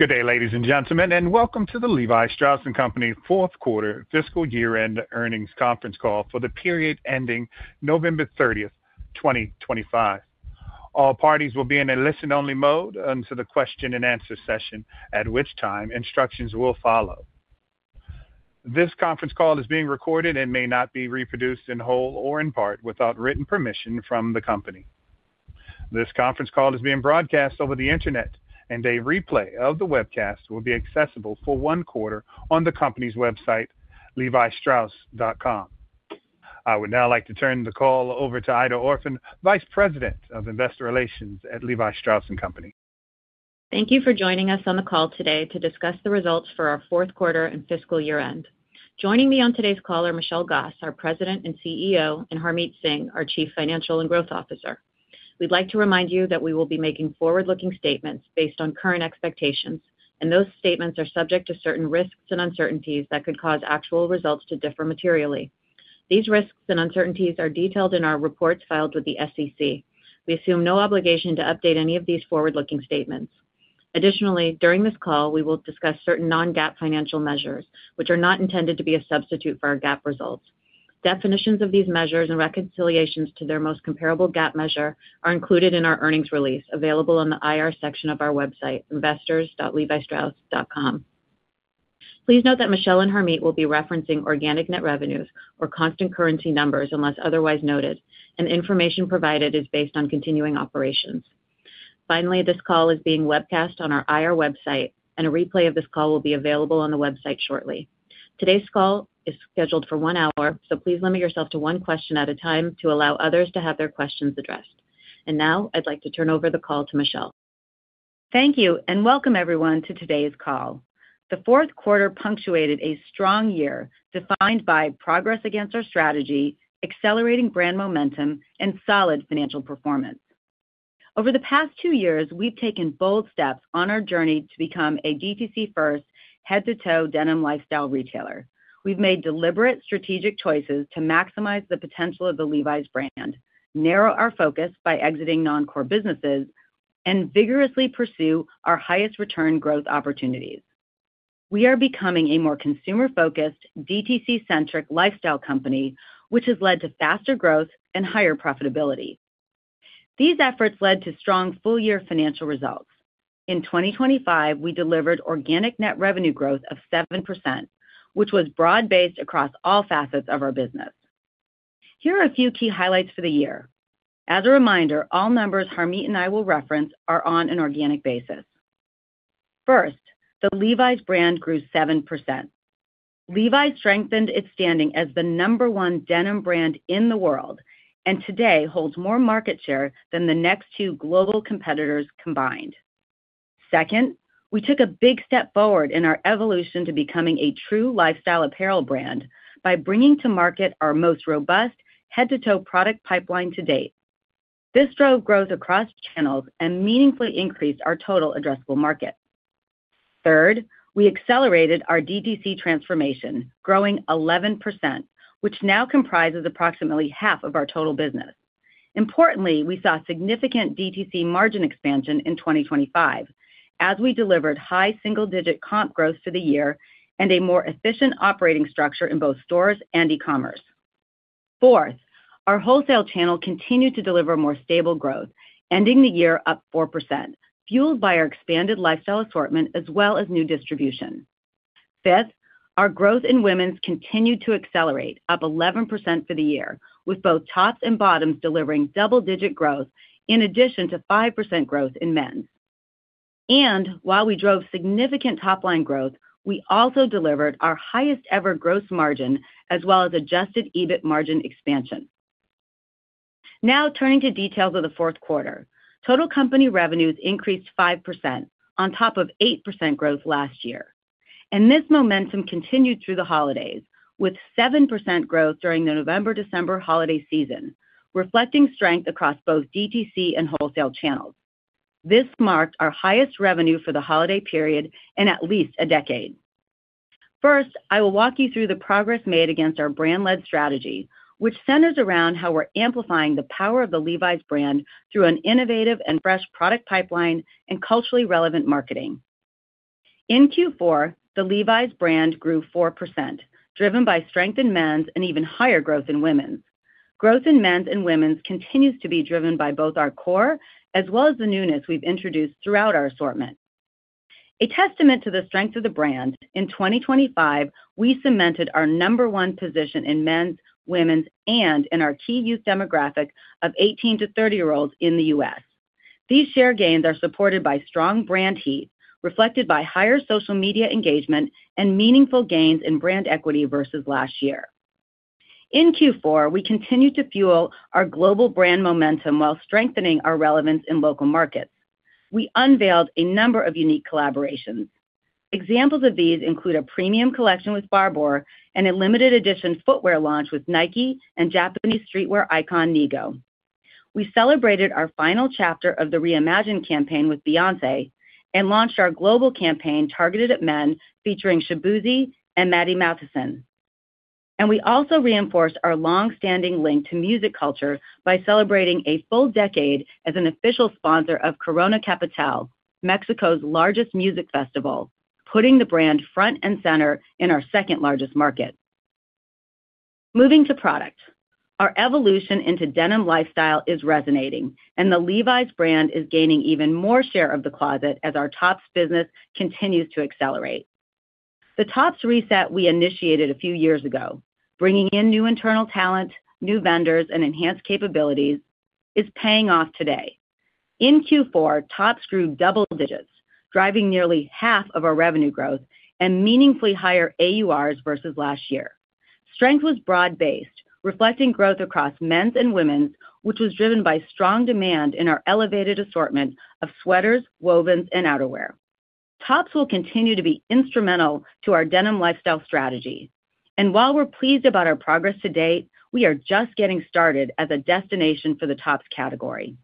Good day, ladies and gentlemen, and welcome to the Levi Strauss & Company fourth quarter fiscal year-end earnings conference call for the period ending November 30, 2025. All parties will be in a listen-only mode until the question and answer session, at which time instructions will follow. This conference call is being recorded and may not be reproduced in whole or in part without written permission from the company. This conference call is being broadcast over the Internet, and a replay of the webcast will be accessible for one quarter on the company's website, levi.com. I would now like to turn the call over to Aida Orphan, Vice President of Investor Relations at Levi Strauss & Company. Thank you for joining us on the call today to discuss the results for our fourth quarter and fiscal year-end. Joining me on today's call are Michelle Gass, our President and CEO, and Harmit Singh, our Chief Financial and Growth Officer. We'd like to remind you that we will be making forward-looking statements based on current expectations, and those statements are subject to certain risks and uncertainties that could cause actual results to differ materially. These risks and uncertainties are detailed in our reports filed with the SEC. We assume no obligation to update any of these forward-looking statements. Additionally, during this call, we will discuss certain non-GAAP financial measures, which are not intended to be a substitute for our GAAP results. Definitions of these measures and reconciliations to their most comparable GAAP measure are included in our earnings release, available on the IR section of our website, investors.levistrauss.com. Please note that Michelle and Harmit will be referencing organic net revenues or constant currency numbers unless otherwise noted, and information provided is based on continuing operations. Finally, this call is being webcast on our IR website, and a replay of this call will be available on the website shortly. Today's call is scheduled for one hour, so please limit yourself to one question at a time to allow others to have their questions addressed. Now, I'd like to turn over the call to Michelle. Thank you, and welcome everyone to today's call. The fourth quarter punctuated a strong year defined by progress against our strategy, accelerating brand momentum, and solid financial performance. Over the past 2 years, we've taken bold steps on our journey to become a DTC first, head-to-toe denim lifestyle retailer. We've made deliberate strategic choices to maximize the potential of the Levi's brand, narrow our focus by exiting non-core businesses, and vigorously pursue our highest return growth opportunities. We are becoming a more consumer-focused, DTC-centric lifestyle company, which has led to faster growth and higher profitability. These efforts led to strong full-year financial results. In 2025, we delivered organic net revenue growth of 7%, which was broad-based across all facets of our business. Here are a few key highlights for the year. As a reminder, all numbers Harmit and I will reference are on an organic basis. First, the Levi's brand grew 7%. Levi's strengthened its standing as the number one denim brand in the world, and today holds more market share than the next two global competitors combined. Second, we took a big step forward in our evolution to becoming a true lifestyle apparel brand by bringing to market our most robust head-to-toe product pipeline to date. This drove growth across channels and meaningfully increased our total addressable market. Third, we accelerated our DTC transformation, growing 11%, which now comprises approximately half of our total business. Importantly, we saw significant DTC margin expansion in 2025 as we delivered high single-digit comp growth for the year and a more efficient operating structure in both stores and e-commerce. Fourth, our wholesale channel continued to deliver more stable growth, ending the year up 4%, fueled by our expanded lifestyle assortment as well as new distribution. Fifth, our growth in women's continued to accelerate, up 11% for the year, with both tops and bottoms delivering double-digit growth, in addition to 5% growth in men's. While we drove significant top-line growth, we also delivered our highest-ever gross margin as well as adjusted EBIT margin expansion. Now, turning to details of the fourth quarter. Total company revenues increased 5% on top of 8% growth last year, and this momentum continued through the holidays, with 7% growth during the November-December holiday season, reflecting strength across both DTC and wholesale channels. This marked our highest revenue for the holiday period in at least a decade. First, I will walk you through the progress made against our brand-led strategy, which centers around how we're amplifying the power of the Levi's brand through an innovative and fresh product pipeline and culturally relevant marketing. In Q4, the Levi's brand grew 4%, driven by strength in men's and even higher growth in women's. Growth in men's and women's continues to be driven by both our core as well as the newness we've introduced throughout our assortment. A testament to the strength of the brand, in 2025, we cemented our number one position in men's, women's, and in our key youth demographic of 18- to 30-year-olds in the U.S. These share gains are supported by strong brand heat, reflected by higher social media engagement and meaningful gains in brand equity versus last year. In Q4, we continued to fuel our global brand momentum while strengthening our relevance in local markets. We unveiled a number of unique collaborations. Examples of these include a premium collection with Barbour and a limited edition footwear launch with Nike and Japanese streetwear icon, Nigo. We celebrated our final chapter of the Reimagine campaign with Beyoncé and launched our global campaign targeted at men, featuring Shaboozey and Matty Matheson. We also reinforced our long-standing link to music culture by celebrating a full decade as an official sponsor of Corona Capital, Mexico's largest music festival, putting the brand front and center in our second-largest market. Moving to product. Our evolution into denim lifestyle is resonating, and the Levi's brand is gaining even more share of the closet as our tops business continues to accelerate. The tops reset we initiated a few years ago, bringing in new internal talent, new vendors, and enhanced capabilities, is paying off today. In Q4, tops grew double digits, driving nearly half of our revenue growth and meaningfully higher AURs versus last year. Strength was broad-based, reflecting growth across men's and women's, which was driven by strong demand in our elevated assortment of sweaters, wovens, and outerwear. Tops will continue to be instrumental to our denim lifestyle strategy, and while we're pleased about our progress to date, we are just getting started as a destination for the tops category.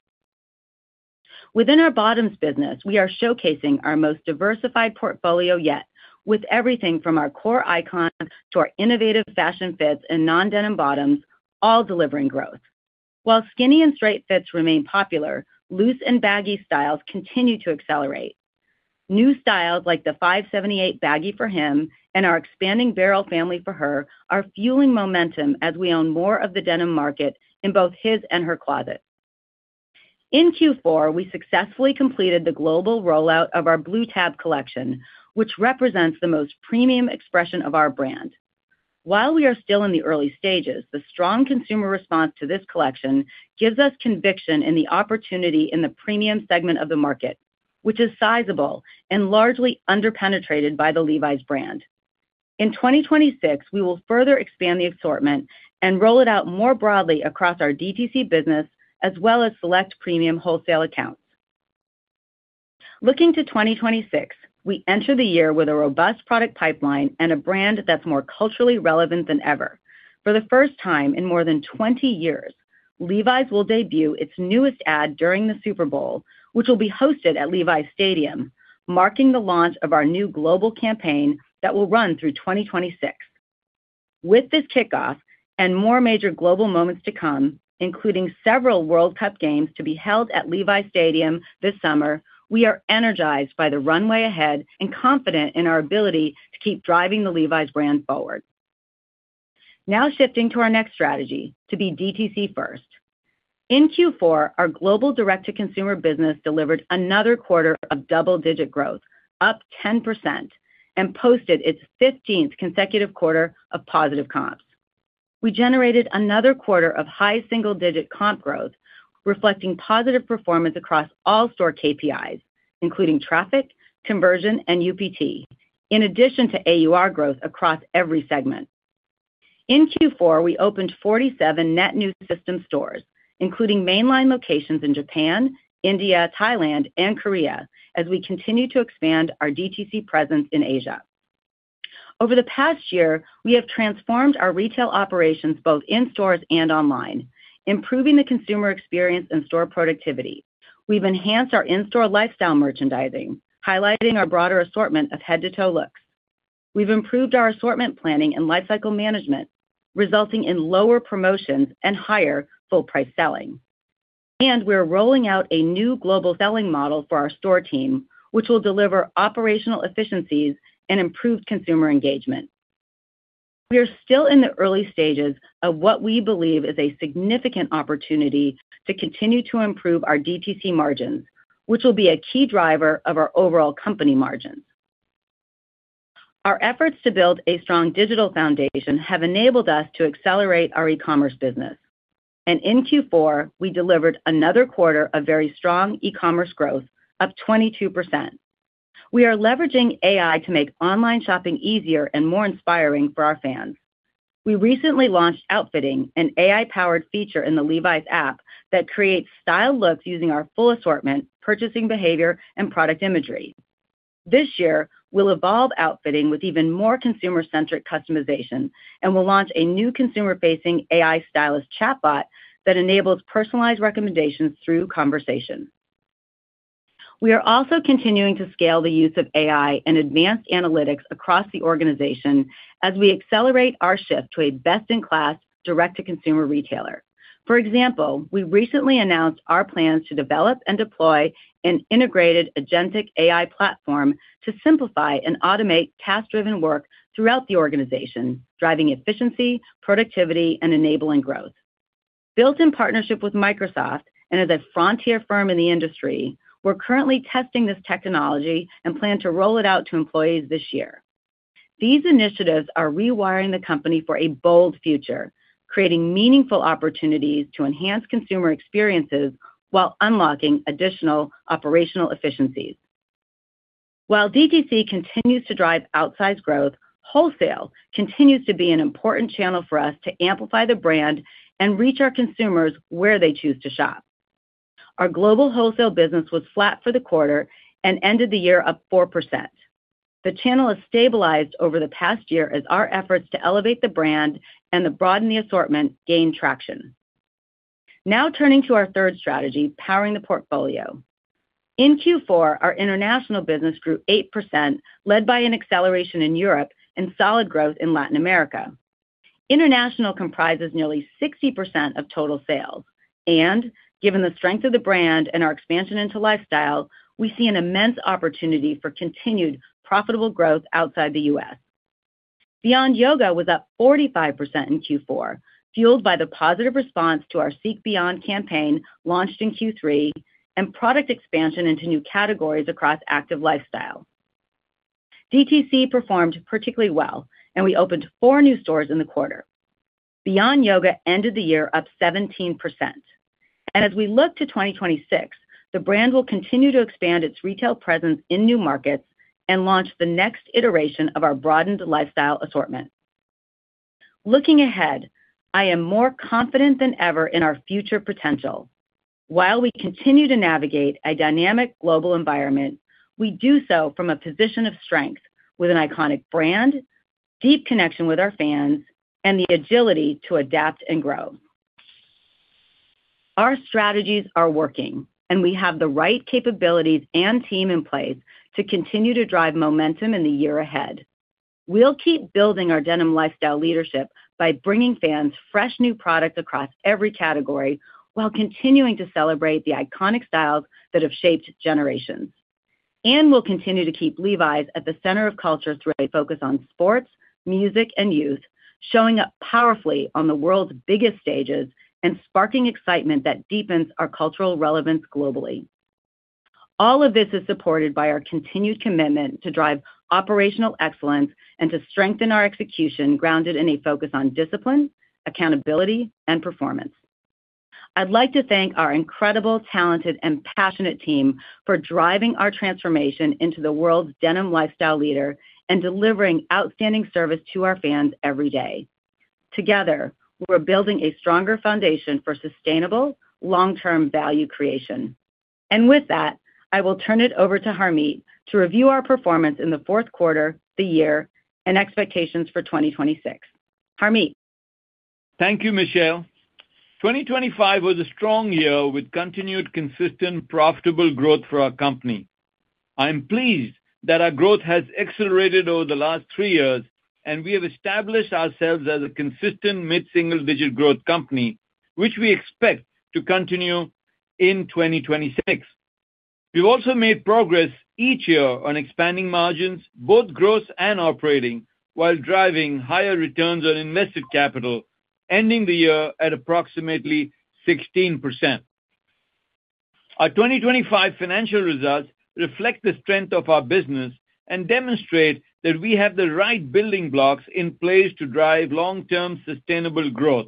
Within our bottoms business, we are showcasing our most diversified portfolio yet, with everything from our core icon to our innovative fashion fits and non-denim bottoms, all delivering growth. While skinny and straight fits remain popular, loose and baggy styles continue to accelerate. New styles, like the 578 Baggy for Him and our expanding Barrel Family for Her, are fueling momentum as we own more of the denim market in both his and her closet. In Q4, we successfully completed the global rollout of our Blue Tab collection, which represents the most premium expression of our brand. While we are still in the early stages, the strong consumer response to this collection gives us conviction in the opportunity in the premium segment of the market, which is sizable and largely underpenetrated by the Levi's brand. In 2026, we will further expand the assortment and roll it out more broadly across our DTC business, as well as select premium wholesale accounts. Looking to 2026, we enter the year with a robust product pipeline and a brand that's more culturally relevant than ever. For the first time in more than 20 years, Levi's will debut its newest ad during the Super Bowl, which will be hosted at Levi's Stadium, marking the launch of our new global campaign that will run through 2026. With this kickoff and more major global moments to come, including several World Cup games to be held at Levi's Stadium this summer, we are energized by the runway ahead and confident in our ability to keep driving the Levi's brand forward. Now shifting to our next strategy, to be DTC first. In Q4, our global direct-to-consumer business delivered another quarter of double-digit growth, up 10%, and posted its 15th consecutive quarter of positive comps. We generated another quarter of high single-digit comp growth, reflecting positive performance across all store KPIs, including traffic, conversion, and UPT, in addition to AUR growth across every segment. In Q4, we opened 47 net new system stores, including mainline locations in Japan, India, Thailand, and Korea, as we continue to expand our DTC presence in Asia. Over the past year, we have transformed our retail operations both in stores and online, improving the consumer experience and store productivity. We've enhanced our in-store lifestyle merchandising, highlighting our broader assortment of head-to-toe looks. We've improved our assortment planning and lifecycle management, resulting in lower promotions and higher full-price selling. We're rolling out a new global selling model for our store team, which will deliver operational efficiencies and improved consumer engagement. We are still in the early stages of what we believe is a significant opportunity to continue to improve our DTC margins, which will be a key driver of our overall company margins. Our efforts to build a strong digital foundation have enabled us to accelerate our e-commerce business, and in Q4, we delivered another quarter of very strong e-commerce growth, up 22%. We are leveraging AI to make online shopping easier and more inspiring for our fans. We recently launched Outfitting, an AI-powered feature in the Levi's app that creates style looks using our full assortment, purchasing behavior, and product imagery. This year, we'll evolve Outfitting with even more consumer-centric customization and will launch a new consumer-facing AI stylist chatbot that enables personalized recommendations through conversation. We are also continuing to scale the use of AI and advanced analytics across the organization as we accelerate our shift to a best-in-class, direct-to-consumer retailer. For example, we recently announced our plans to develop and deploy an integrated agentic AI platform to simplify and automate task-driven work throughout the organization, driving efficiency, productivity, and enabling growth. Built in partnership with Microsoft and as a frontier firm in the industry, we're currently testing this technology and plan to roll it out to employees this year. These initiatives are rewiring the company for a bold future, creating meaningful opportunities to enhance consumer experiences while unlocking additional operational efficiencies. While DTC continues to drive outsized growth, wholesale continues to be an important channel for us to amplify the brand and reach our consumers where they choose to shop. Our global wholesale business was flat for the quarter and ended the year up 4%. The channel has stabilized over the past year as our efforts to elevate the brand and to broaden the assortment gain traction. Now turning to our third strategy, powering the portfolio. In Q4, our international business grew 8%, led by an acceleration in Europe and solid growth in Latin America. International comprises nearly 60% of total sales, and given the strength of the brand and our expansion into lifestyle, we see an immense opportunity for continued profitable growth outside the US. Beyond Yoga was up 45% in Q4, fueled by the positive response to our Seek Beyond campaign, launched in Q3, and product expansion into new categories across active lifestyle. DTC performed particularly well, and we opened four new stores in the quarter. Beyond Yoga ended the year up 17%. As we look to 2026, the brand will continue to expand its retail presence in new markets and launch the next iteration of our broadened lifestyle assortment. Looking ahead, I am more confident than ever in our future potential. While we continue to navigate a dynamic global environment, we do so from a position of strength with an iconic brand, deep connection with our fans, and the agility to adapt and grow. Our strategies are working, and we have the right capabilities and team in place to continue to drive momentum in the year ahead. We'll keep building our denim lifestyle leadership by bringing fans fresh, new products across every category, while continuing to celebrate the iconic styles that have shaped generations. And we'll continue to keep Levi's at the center of culture through a focus on sports, music, and youth, showing up powerfully on the world's biggest stages and sparking excitement that deepens our cultural relevance globally. All of this is supported by our continued commitment to drive operational excellence and to strengthen our execution, grounded in a focus on discipline, accountability, and performance. I'd like to thank our incredible, talented, and passionate team for driving our transformation into the world's denim lifestyle leader and delivering outstanding service to our fans every day. Together, we're building a stronger foundation for sustainable, long-term value creation. With that, I will turn it over to Harmit to review our performance in the fourth quarter, the year, and expectations for 2026. Harmit? Thank you, Michelle. 2025 was a strong year with continued, consistent, profitable growth for our company. I'm pleased that our growth has accelerated over the last 3 years, and we have established ourselves as a consistent mid-single-digit growth company, which we expect to continue in 2026. We've also made progress each year on expanding margins, both gross and operating, while driving higher returns on invested capital, ending the year at approximately 16%. Our 2025 financial results reflect the strength of our business and demonstrate that we have the right building blocks in place to drive long-term, sustainable growth.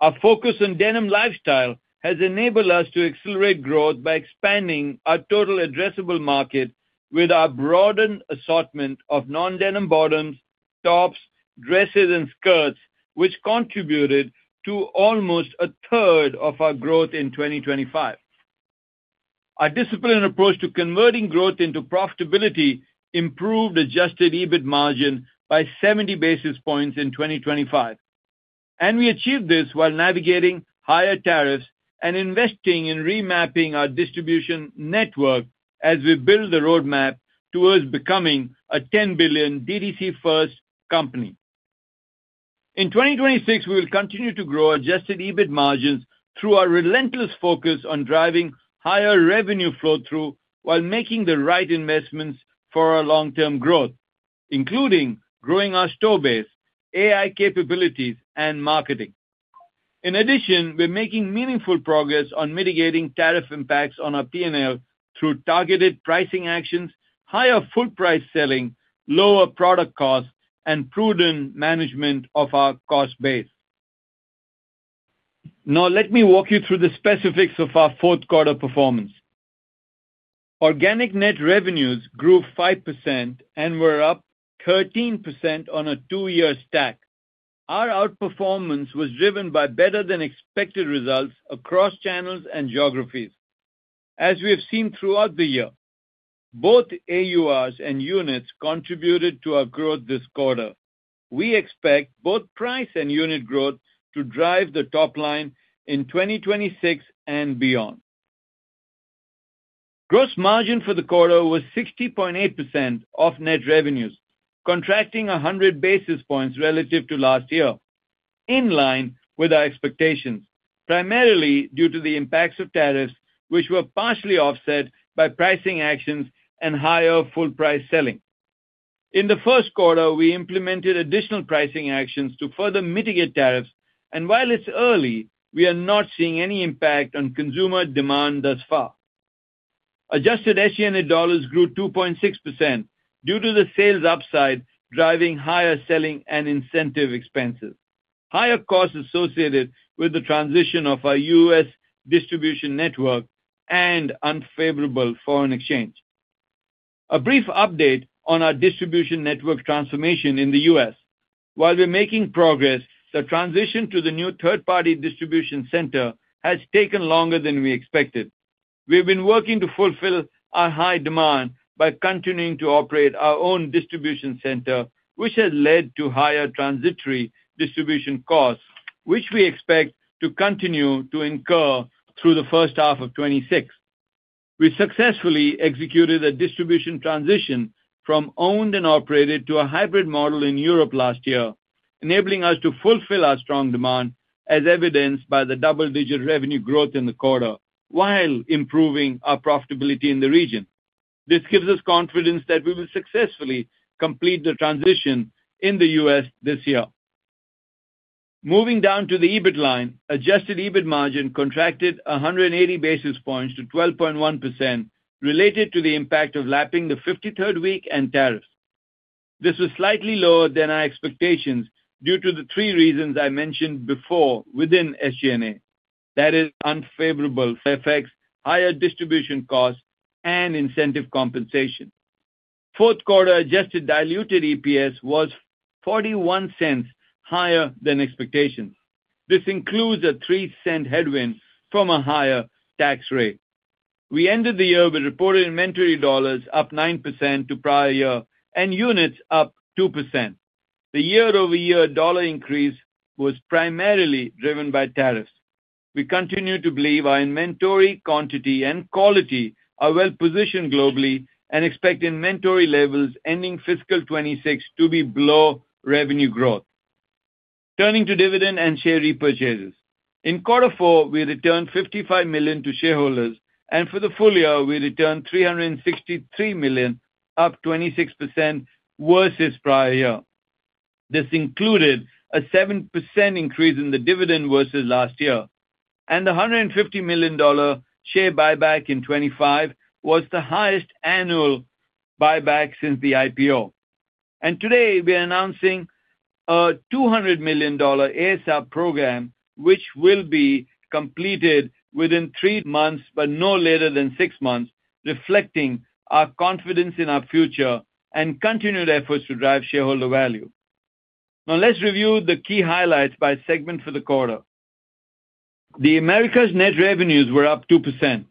Our focus on denim lifestyle has enabled us to accelerate growth by expanding our total addressable market with our broadened assortment of non-denim bottoms, tops, dresses, and skirts, which contributed to almost a third of our growth in 2025. Our disciplined approach to converting growth into profitability improved adjusted EBIT margin by 70 basis points in 2025, and we achieved this while navigating higher tariffs and investing in remapping our distribution network as we build the roadmap towards becoming a $10 billion DTC-first company. In 2026, we will continue to grow adjusted EBIT margins through our relentless focus on driving higher revenue flow-through while making the right investments for our long-term growth, including growing our store base, AI capabilities, and marketing. In addition, we're making meaningful progress on mitigating tariff impacts on our P&L through targeted pricing actions, higher full-price selling, lower product costs, and prudent management of our cost base. Now, let me walk you through the specifics of our fourth quarter performance. Organic net revenues grew 5% and were up 13% on a two-year stack. Our outperformance was driven by better-than-expected results across channels and geographies. As we have seen throughout the year, both AURs and units contributed to our growth this quarter. We expect both price and unit growth to drive the top line in 2026 and beyond. Gross margin for the quarter was 60.8% of net revenues, contracting 100 basis points relative to last year, in line with our expectations, primarily due to the impacts of tariffs, which were partially offset by pricing actions and higher full-price selling. In the first quarter, we implemented additional pricing actions to further mitigate tariffs, and while it's early, we are not seeing any impact on consumer demand thus far. Adjusted SG&A dollars grew 2.6% due to the sales upside, driving higher selling and incentive expenses, higher costs associated with the transition of our U.S. distribution network, and unfavorable foreign exchange. A brief update on our distribution network transformation in the U.S. While we're making progress, the transition to the new third-party distribution center has taken longer than we expected. We've been working to fulfill our high demand by continuing to operate our own distribution center, which has led to higher transitory distribution costs, which we expect to continue to incur through the first half of 2026. We successfully executed a distribution transition from owned and operated to a hybrid model in Europe last year, enabling us to fulfill our strong demand, as evidenced by the double-digit revenue growth in the quarter, while improving our profitability in the region. This gives us confidence that we will successfully complete the transition in the U.S. this year. Moving down to the EBIT line, adjusted EBIT margin contracted 100 basis points to 12.1%, related to the impact of lapping the 53rd week and tariffs. This was slightly lower than our expectations due to the three reasons I mentioned before within SG&A. That is unfavorable FX, higher distribution costs, and incentive compensation. Fourth quarter adjusted diluted EPS was $0.41 higher than expectations. This includes a $0.03 headwind from a higher tax rate. We ended the year with reported inventory dollars up 9% to prior year and units up 2%. The year-over-year dollar increase was primarily driven by tariffs. We continue to believe our inventory, quantity, and quality are well-positioned globally and expect inventory levels ending fiscal 2026 to be below revenue growth. Turning to dividend and share repurchases. In quarter four, we returned $55 million to shareholders, and for the full year, we returned $363 million, up 26% versus prior year. This included a 7% increase in the dividend versus last year, and a $150 million share buyback in 2025 was the highest annual buyback since the IPO. Today, we are announcing a $200 million ASR program, which will be completed within 3 months but no later than 6 months, reflecting our confidence in our future and continued efforts to drive shareholder value. Now, let's review the key highlights by segment for the quarter. The Americas net revenues were up 2%.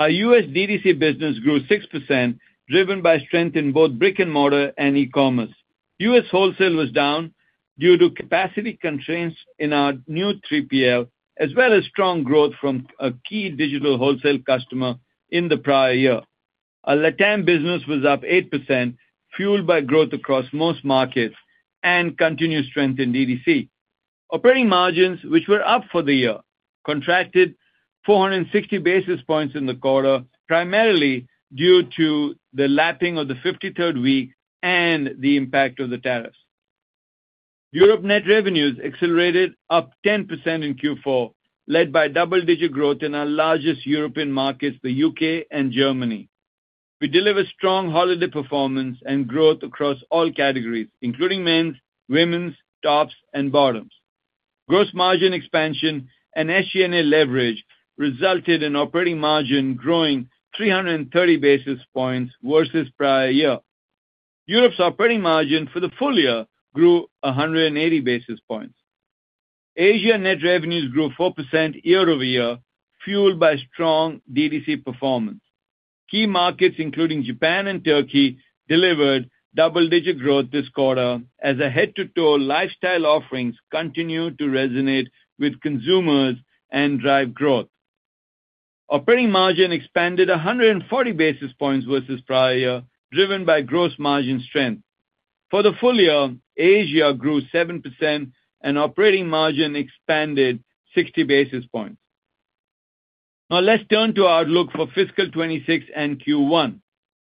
Our US DTC business grew 6%, driven by strength in both brick-and-mortar and e-commerce. US Wholesale was down due to capacity constraints in our new 3PL, as well as strong growth from a key digital wholesale customer in the prior year. Our LATAM business was up 8%, fueled by growth across most markets and continued strength in DTC. Operating margins, which were up for the year, contracted 460 basis points in the quarter, primarily due to the lapping of the 53rd week and the impact of the tariffs. Europe net revenues accelerated up 10% in Q4, led by double-digit growth in our largest European markets, the U.K. and Germany. We delivered strong holiday performance and growth across all categories, including men's, women's, tops and bottoms. Gross margin expansion and SG&A leverage resulted in operating margin growing 330 basis points versus prior year. Europe's operating margin for the full year grew 180 basis points. Asia net revenues grew 4% year-over-year, fueled by strong DTC performance. Key markets, including Japan and Turkey, delivered double-digit growth this quarter as a head-to-toe lifestyle offerings continued to resonate with consumers and drive growth. Operating margin expanded 140 basis points versus prior year, driven by gross margin strength. For the full year, Asia grew 7% and operating margin expanded 60 basis points. Now, let's turn to our outlook for fiscal 2026 and Q1.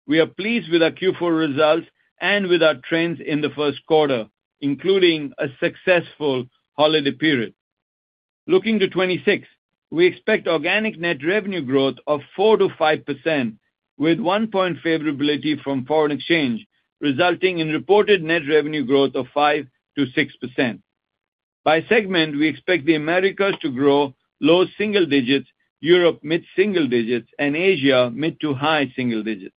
We are pleased with our Q4 results and with our trends in the first quarter, including a successful holiday period. Looking to 2026, we expect organic net revenue growth of 4%-5%, with 1-point favorability from foreign exchange, resulting in reported net revenue growth of 5%-6%. By segment, we expect the Americas to grow low single digits, Europe mid-single digits, and Asia mid to high single digits.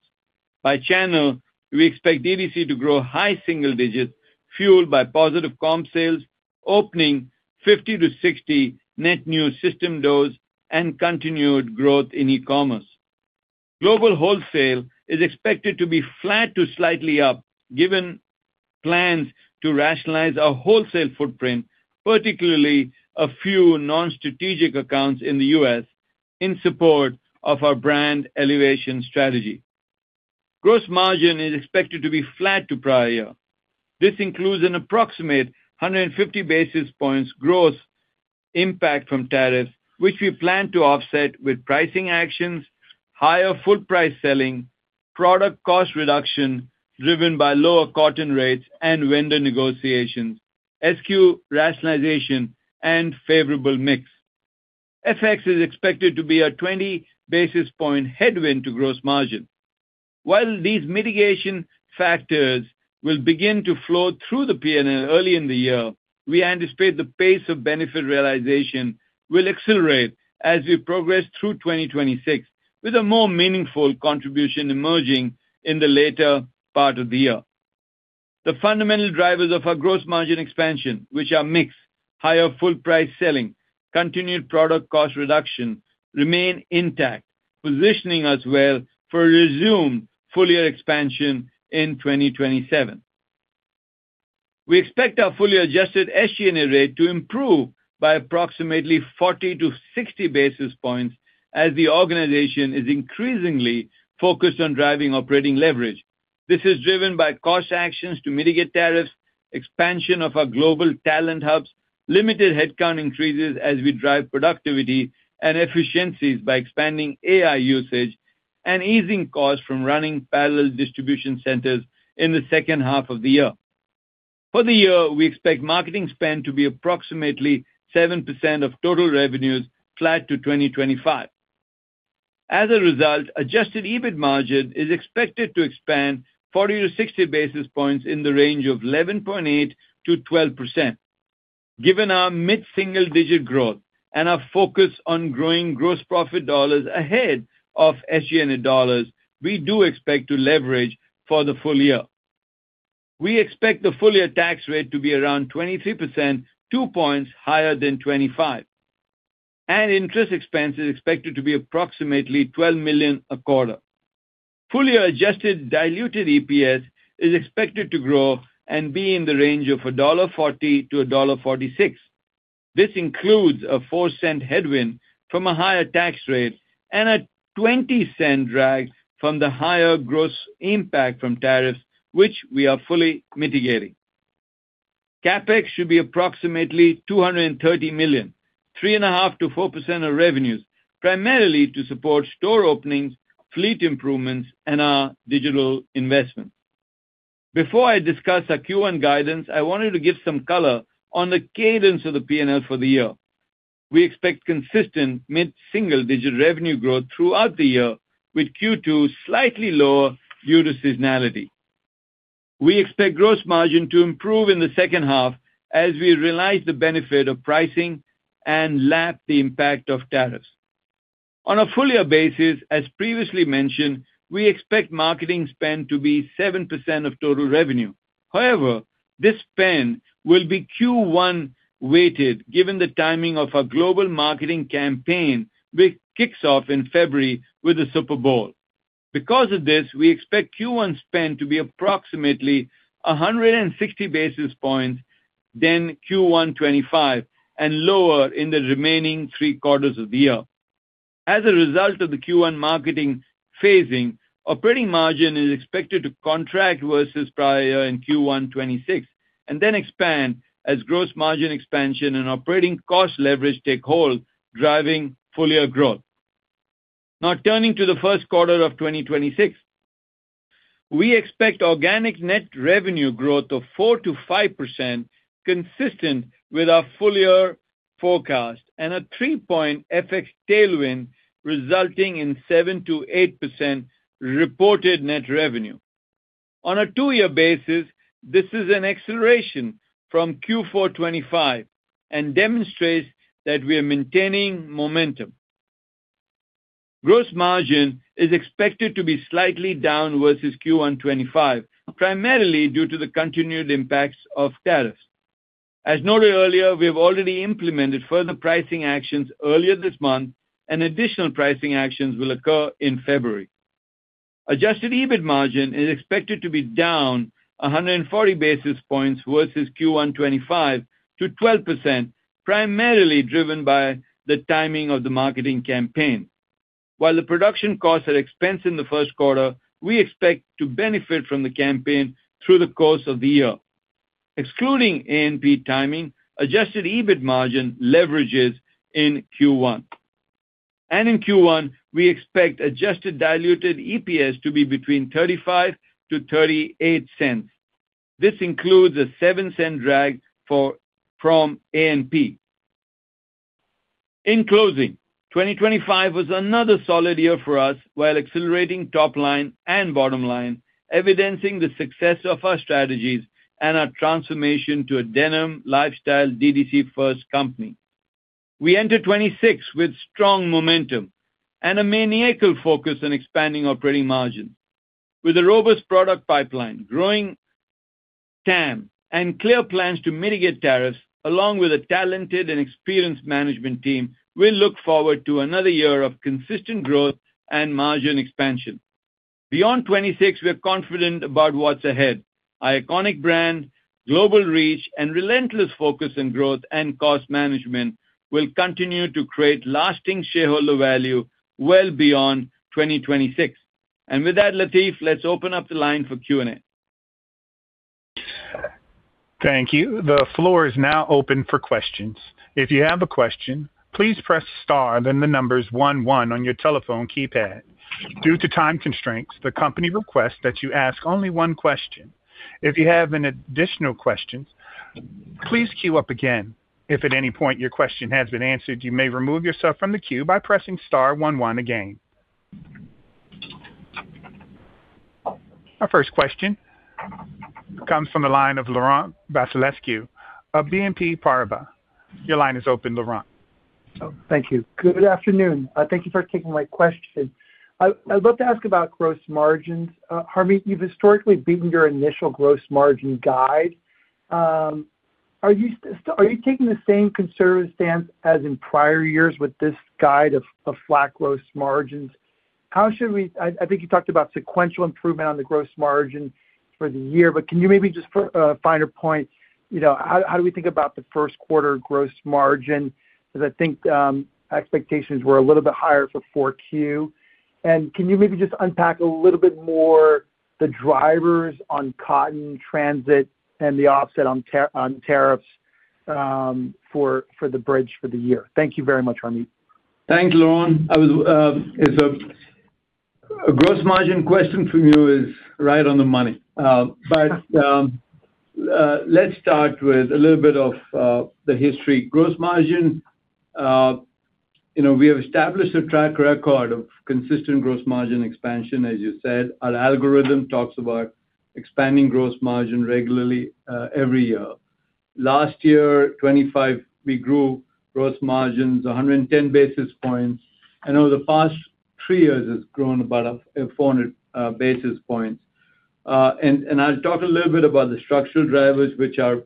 By channel, we expect DTC to grow high single digits, fueled by positive comp sales, opening 50-60 net new system doors, and continued growth in e-commerce. Global wholesale is expected to be flat to slightly up, given plans to rationalize our wholesale footprint, particularly a few non-strategic accounts in the U.S., in support of our brand elevation strategy. Gross margin is expected to be flat to prior year. This includes an approximate 150 basis points growth impact from tariffs, which we plan to offset with pricing actions, higher full price selling, product cost reduction driven by lower cotton rates and vendor negotiations, SKU rationalization, and favorable mix. FX is expected to be a 20 basis point headwind to gross margin. While these mitigation factors will begin to flow through the P&L early in the year, we anticipate the pace of benefit realization will accelerate as we progress through 2026, with a more meaningful contribution emerging in the later part of the year. The fundamental drivers of our gross margin expansion, which are mix, higher full price selling, continued product cost reduction, remain intact, positioning us well for a resumption of full year expansion in 2027. We expect our fully adjusted SG&A rate to improve by approximately 40-60 basis points as the organization is increasingly focused on driving operating leverage. This is driven by cost actions to mitigate tariffs, expansion of our global talent hubs, limited headcount increases as we drive productivity and efficiencies by expanding AI usage, and easing costs from running parallel distribution centers in the second half of the year. For the year, we expect marketing spend to be approximately 7% of total revenues, flat to 2025. As a result, adjusted EBIT margin is expected to expand 40-60 basis points in the range of 11.8%-12%. Given our mid-single-digit growth and our focus on growing gross profit dollars ahead of SG&A dollars, we do expect to leverage for the full year. We expect the full year tax rate to be around 23%, 2 points higher than 2025, and interest expense is expected to be approximately $12 million a quarter. Full-year adjusted diluted EPS is expected to grow and be in the range of $1.40-$1.46. This includes a $0.04 headwind from a higher tax rate and a $0.20 drag from the higher gross impact from tariffs, which we are fully mitigating. CapEx should be approximately $230 million, 3.5%-4% of revenues, primarily to support store openings, fleet improvements, and our digital investments. Before I discuss our Q1 guidance, I wanted to give some color on the cadence of the P&L for the year. We expect consistent mid-single-digit revenue growth throughout the year, with Q2 slightly lower due to seasonality. We expect gross margin to improve in the second half as we realize the benefit of pricing and lap the impact of tariffs. On a full year basis, as previously mentioned, we expect marketing spend to be 7% of total revenue. However, this spend will be Q1 weighted, given the timing of our global marketing campaign, which kicks off in February with the Super Bowl. Because of this, we expect Q1 spend to be approximately 160 basis points than Q1 2025 and lower in the remaining three quarters of the year. As a result of the Q1 marketing phasing, operating margin is expected to contract versus prior year in Q1 2026 and then expand as gross margin expansion and operating cost leverage take hold, driving full year growth. Now, turning to the first quarter of 2026. We expect organic net revenue growth of 4%-5%, consistent with our full year forecast, and a 3-point FX tailwind, resulting in 7%-8% reported net revenue. On a two-year basis, this is an acceleration from Q4 2025 and demonstrates that we are maintaining momentum. Gross margin is expected to be slightly down versus Q1 2025, primarily due to the continued impacts of tariffs. As noted earlier, we have already implemented further pricing actions earlier this month, and additional pricing actions will occur in February. Adjusted EBIT margin is expected to be down 100 basis points versus Q1 2025 to 12%, primarily driven by the timing of the marketing campaign. While the production costs are expensed in the first quarter, we expect to benefit from the campaign through the course of the year. Excluding A&P timing, adjusted EBIT margin leverages in Q1. In Q1, we expect adjusted diluted EPS to be between $0.35-$0.38. This includes a $0.07 drag from A&P. In closing, 2025 was another solid year for us, while accelerating top line and bottom line, evidencing the success of our strategies and our transformation to a denim lifestyle DDC-first company. We enter 2026 with strong momentum and a maniacal focus on expanding operating margin. With a robust product pipeline, growing TAM, and clear plans to mitigate tariffs, along with a talented and experienced management team, we look forward to another year of consistent growth and margin expansion. Beyond 2026, we are confident about what's ahead. Our iconic brand, global reach, and relentless focus on growth and cost management will continue to create lasting shareholder value well beyond 2026. And with that, Latiff, let's open up the line for Q&A. Thank you. The floor is now open for questions. If you have a question, please press star, then the numbers one, one on your telephone keypad. Due to time constraints, the company requests that you ask only one question. If you have an additional question, please queue up again. If at any point your question has been answered, you may remove yourself from the queue by pressing star one, one again. Our first question comes from the line of Laurent Vasilescu of BNP Paribas. Your line is open, Laurent.... So thank you. Good afternoon. Thank you for taking my question. I'd love to ask about gross margins. Harmit, you've historically beaten your initial gross margin guide. Are you taking the same conservative stance as in prior years with this guide of flat gross margins? How should we—I think you talked about sequential improvement on the gross margin for the year, but can you maybe just put a finer point, you know, how do we think about the first quarter gross margin? Because I think expectations were a little bit higher for Q4. And can you maybe just unpack a little bit more the drivers on cotton transit and the offset on tariffs for the bridge for the year? Thank you very much, Harmit. Thanks, Laurent. A gross margin question from you is right on the money. But let's start with a little bit of the history. Gross margin, you know, we have established a track record of consistent gross margin expansion, as you said. Our algorithm talks about expanding gross margin regularly, every year. Last year, 2025, we grew gross margins 110 basis points, and over the past three years, it's grown about 400 basis points. And I'll talk a little bit about the structural drivers, which are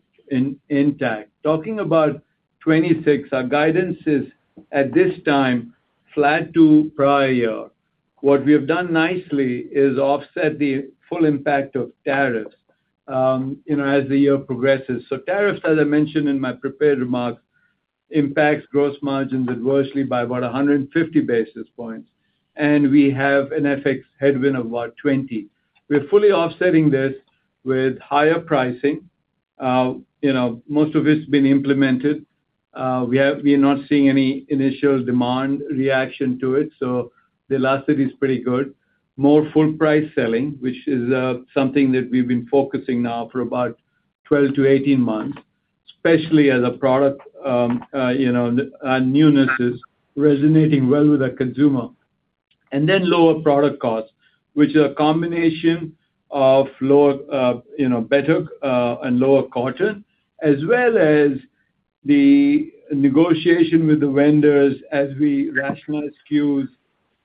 intact. Talking about 2026, our guidance is, at this time, flat to prior. What we have done nicely is offset the full impact of tariffs, you know, as the year progresses. So tariffs, as I mentioned in my prepared remarks, impacts gross margins adversely by about 150 basis points, and we have an FX headwind of about 20. We're fully offsetting this with higher pricing. You know, most of it's been implemented. We're not seeing any initial demand reaction to it, so the elasticity is pretty good. More full price selling, which is, something that we've been focusing now for about 12-18 months, especially as a product, you know, and newness is resonating well with the consumer. And then lower product costs, which are a combination of lower, you know, better, and lower quarter, as well as the negotiation with the vendors as we rationalize SKUs,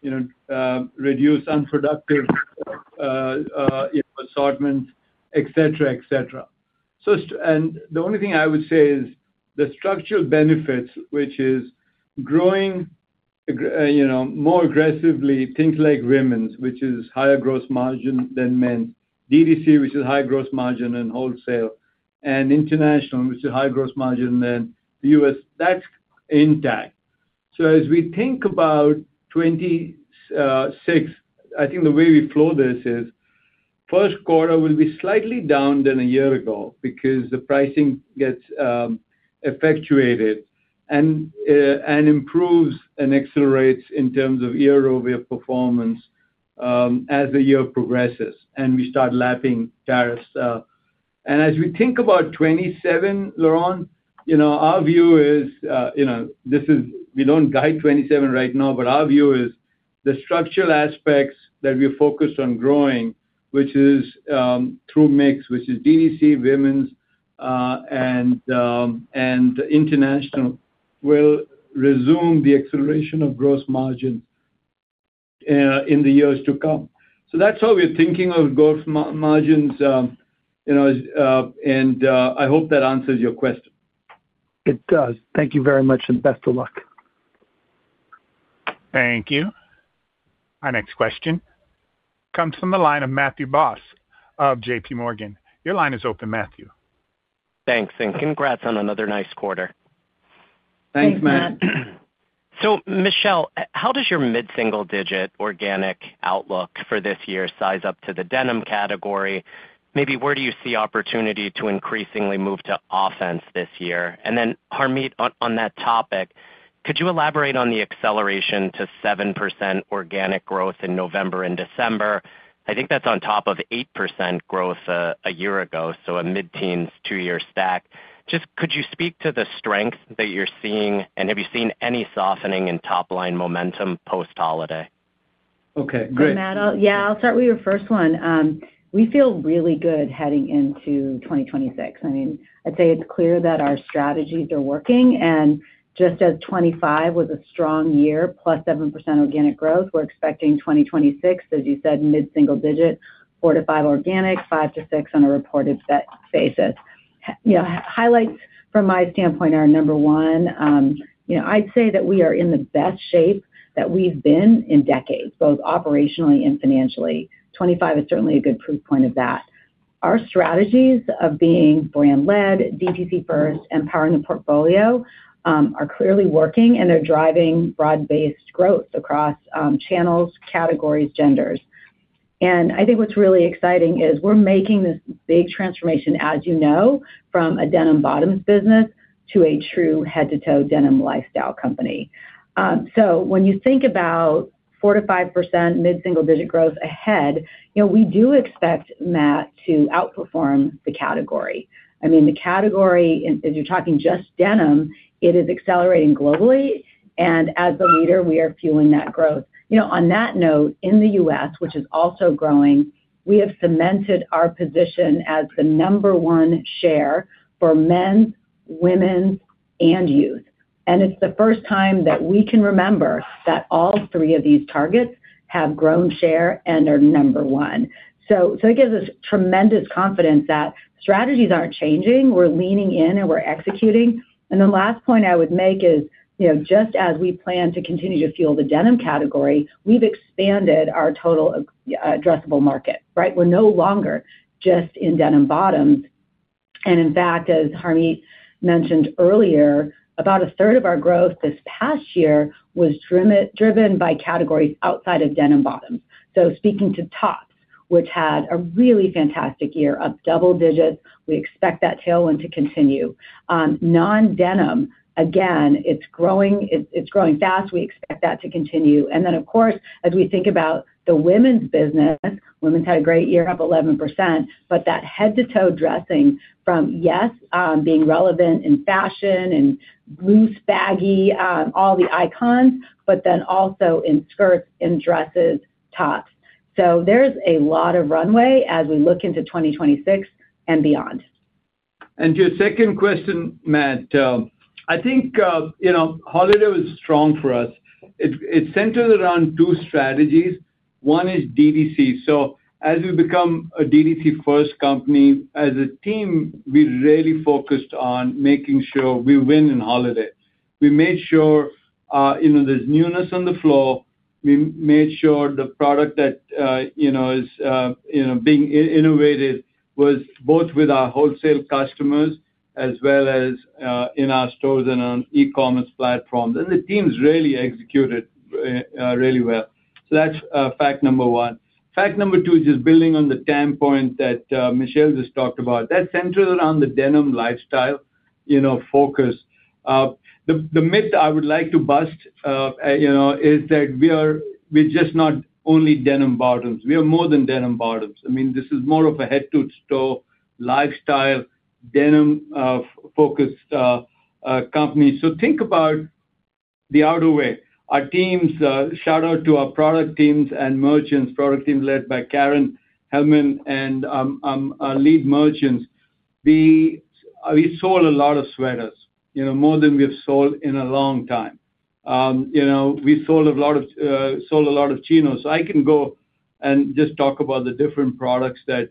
you know, reduce unproductive, you know, assortment, et cetera, et cetera. So, and the only thing I would say is the structural benefits, which is growing, you know, more aggressively, things like women's, which is higher gross margin than men, DTC, which is higher gross margin than wholesale, and international, which is higher gross margin than the US, that's intact. So as we think about 2026, I think the way we flow this is, first quarter will be slightly down than a year ago because the pricing gets effectuated and improves and accelerates in terms of year-over-year performance as the year progresses, and we start lapping tariffs. And as we think about 2027, Laurent, you know, our view is, you know, this is, we don't guide 2027 right now, but our view is the structural aspects that we're focused on growing, which is through mix, which is DTC, women's, and international, will resume the acceleration of gross margin in the years to come. So that's how we're thinking of gross margins, you know, and I hope that answers your question. It does. Thank you very much, and best of luck. Thank you. Our next question comes from the line of Matthew Boss of JPMorgan. Your line is open, Matthew. Thanks, and congrats on another nice quarter. Thanks, Matt. So, Michelle, how does your mid-single-digit organic outlook for this year size up to the denim category? Maybe where do you see opportunity to increasingly move to offense this year? And then, Harmit, on that topic, could you elaborate on the acceleration to 7% organic growth in November and December? I think that's on top of 8% growth a year ago, so a mid-teens two-year stack. Just could you speak to the strength that you're seeing, and have you seen any softening in top-line momentum post-holiday? Okay, great. So Matt, yeah, I'll start with your first one. We feel really good heading into 2026. I mean, I'd say it's clear that our strategies are working, and just as 2025 was a strong year, +7% organic growth, we're expecting 2026, as you said, mid-single-digit 4-5 organic, 5-6 on a reported basis. You know, highlights from my standpoint are, number one, you know, I'd say that we are in the best shape that we've been in decades, both operationally and financially. 2025 is certainly a good proof point of that. Our strategies of being brand-led, D2C first, and powering the portfolio, are clearly working and are driving broad-based growth across channels, categories, genders. I think what's really exciting is we're making this big transformation, as you know, from a denim bottoms business to a true head-to-toe denim lifestyle company. So when you think about 4%-5% mid-single-digit growth ahead, you know, we do expect Matt to outperform the category. I mean, the category, and if you're talking just denim, it is accelerating globally, and as a leader, we are fueling that growth. You know, on that note, in the U.S., which is also growing, we have cemented our position as the number one share for men, women, and youth... and it's the first time that we can remember that all three of these targets have grown share and are number one. So, so it gives us tremendous confidence that strategies aren't changing, we're leaning in, and we're executing. And the last point I would make is, you know, just as we plan to continue to fuel the denim category, we've expanded our total addressable market, right? We're no longer just in denim bottoms. And in fact, as Harmit mentioned earlier, about a third of our growth this past year was driven by categories outside of denim bottoms. So speaking to tops, which had a really fantastic year, up double digits, we expect that tailwind to continue. Non-denim, again, it's growing, it's growing fast. We expect that to continue. And then, of course, as we think about the women's business, women's had a great year, up 11%, but that head-to-toe dressing from being relevant in fashion and loose, baggy, all the icons, but then also in skirts and dresses, tops. There's a lot of runway as we look into 2026 and beyond. To your second question, Matt, I think you know, holiday was strong for us. It centers around two strategies. One is DTC. So as we become a DTC-first company, as a team, we really focused on making sure we win in holiday. We made sure you know, there's newness on the floor. We made sure the product that you know is you know being innovated was both with our wholesale customers as well as in our stores and on e-commerce platforms. And the teams really executed really well. So that's fact number one. Fact number two is just building on the standpoint that Michelle just talked about. That centers around the denim lifestyle you know focus. The myth I would like to bust you know is that we're just not only denim bottoms. We are more than denim bottoms. I mean, this is more of a head-to-toe lifestyle, denim, focused, company. So think about the other way. Our teams, shout out to our product teams and merchants, product teams led by Karyn Hillman and, our lead merchants. We, we sold a lot of sweaters, you know, more than we have sold in a long time. You know, we sold a lot of, sold a lot of chinos. I can go and just talk about the different products that,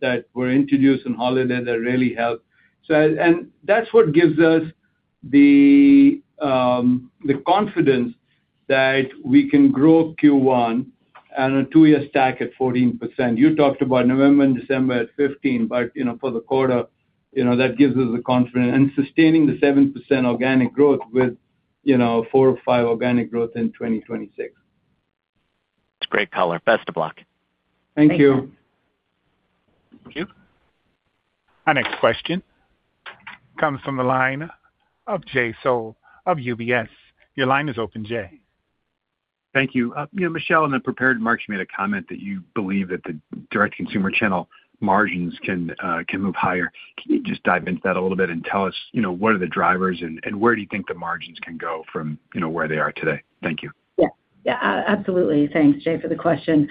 that were introduced in holiday that really helped. So... And that's what gives us the, the confidence that we can grow Q1 on a two-year stack at 14%. You talked about November and December at 15, but, you know, for the quarter, you know, that gives us the confidence and sustaining the 7% organic growth with, you know, 4 or 5 organic growth in 2026. It's a great color. Best of luck. Thank you. Thank you. Thank you. Our next question comes from the line of Jay Sole of UBS. Your line is open, Jay. Thank you. You know, Michelle, in the prepared remarks, you made a comment that you believe that the direct-to-consumer channel margins can can move higher. Can you just dive into that a little bit and tell us, you know, what are the drivers, and where do you think the margins can go from, you know, where they are today? Thank you. Yeah. Yeah, absolutely. Thanks, Jay, for the question.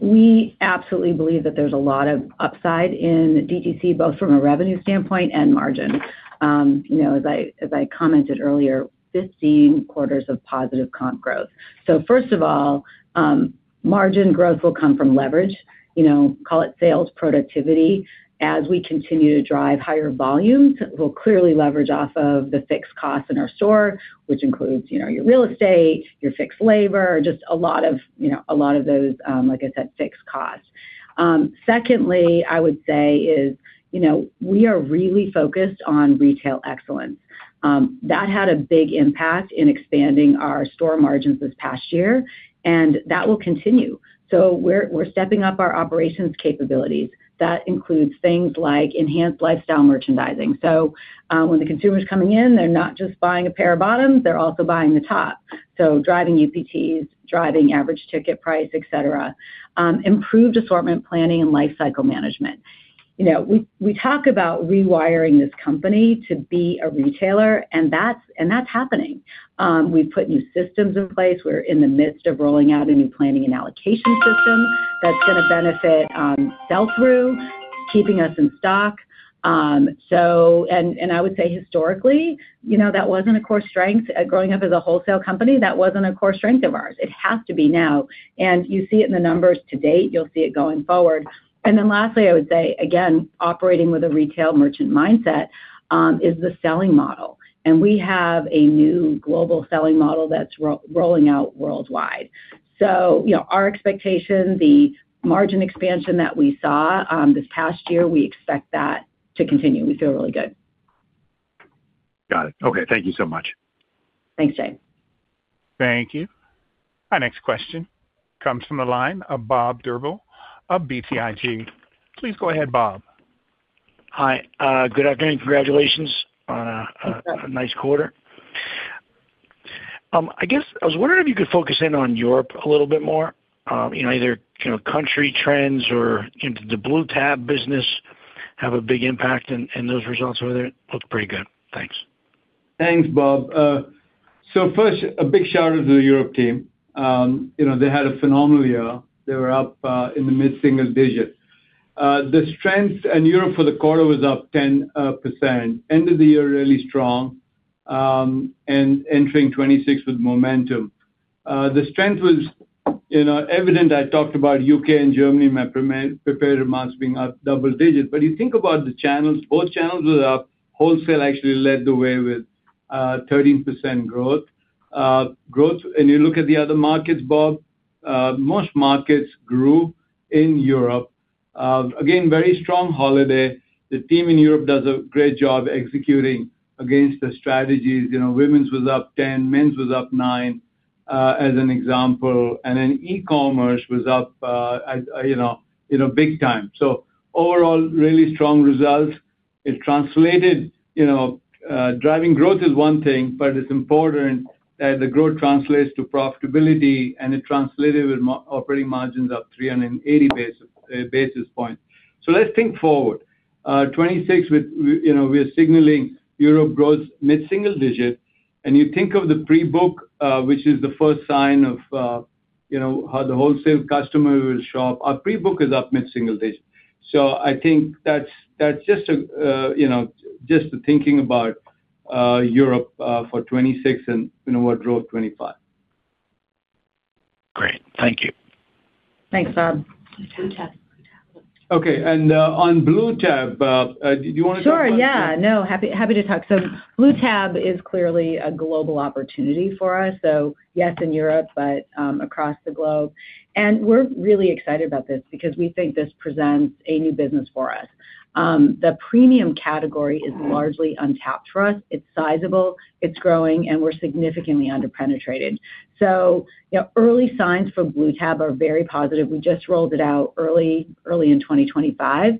We absolutely believe that there's a lot of upside in DTC, both from a revenue standpoint and margin. You know, as I commented earlier, 15 quarters of positive comp growth. So first of all, margin growth will come from leverage, you know, call it sales productivity. As we continue to drive higher volumes, we'll clearly leverage off of the fixed costs in our store, which includes, you know, your real estate, your fixed labor, just a lot of, you know, a lot of those, like I said, fixed costs. Secondly, I would say is, you know, we are really focused on retail excellence. That had a big impact in expanding our store margins this past year, and that will continue. So we're, we're stepping up our operations capabilities. That includes things like enhanced lifestyle merchandising. So, when the consumer's coming in, they're not just buying a pair of bottoms, they're also buying the top. So driving UPTs, driving average ticket price, et cetera. Improved assortment planning and lifecycle management. You know, we talk about rewiring this company to be a retailer, and that's happening. We've put new systems in place. We're in the midst of rolling out a new planning and allocation system that's gonna benefit sell-through, keeping us in stock. And I would say, historically, you know, that wasn't a core strength. Growing up as a wholesale company, that wasn't a core strength of ours. It has to be now, and you see it in the numbers to date. You'll see it going forward. And then lastly, I would say, again, operating with a retail merchant mindset, is the selling model, and we have a new global selling model that's rolling out worldwide. So, you know, our expectation, the margin expansion that we saw, this past year, we expect that to continue. We feel really good. Got it. Okay, thank you so much. Thanks, Jay. Thank you. Our next question comes from the line of Bob Drbul of BTIG. Please go ahead, Bob. Hi. Good afternoon. Congratulations on a- Thanks. Nice quarter. I guess I was wondering if you could focus in on Europe a little bit more, you know, either, you know, country trends or, you know, did the Blue Tab business have a big impact in those results over there? It looked pretty good. Thanks. Thanks, Bob. So first, a big shout out to the Europe team. You know, they had a phenomenal year. They were up in the mid-single digit. The strength in Europe for the quarter was up 10%. Ended the year really strong, and entering 2026 with momentum. The strength was, you know, evident. I talked about UK and Germany, my prepared remarks being up double digits. But you think about the channels, both channels were up. Wholesale actually led the way with 13% growth, and you look at the other markets, Bob, most markets grew in Europe. Again, very strong holiday. The team in Europe does a great job executing against the strategies. You know, women's was up 10, men's was up 9, as an example, and then e-commerce was up, I, you know, big time. So overall, really strong results. It translated, you know... driving growth is one thing, but it's important that the growth translates to profitability, and it translated with operating margins up 380 basis points. So let's think forward. 2026 with, you know, we are signaling Europe grows mid-single digit, and you think of the pre-book, which is the first sign of, you know, how the wholesale customer will shop. Our pre-book is up mid-single digit. So I think that's, that's just a, you know, just thinking about, Europe, for 2026 and, you know, what drove 2025. Great. Thank you. Thanks, Bob. Blue Tab. Okay, and, on Blue Tab, do you wanna talk about- Sure, yeah. No, happy, happy to talk. So Blue Tab is clearly a global opportunity for us, so yes, in Europe, but, across the globe. And we're really excited about this because we think this presents a new business for us. The premium category is largely untapped for us. It's sizable, it's growing, and we're significantly underpenetrated. So, you know, early signs for Blue Tab are very positive. We just rolled it out early, early in 2025,